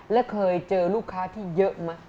แล้วเคยเจอลูกค้าที่เยอะไหม